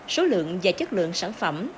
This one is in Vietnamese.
số lượng và chất lượng sản phẩm